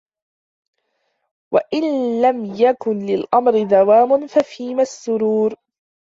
وَإِنْ لَمْ يَكُنْ لِلْأَمْرِ دَوَامٌ فَفِيمَ السُّرُورُ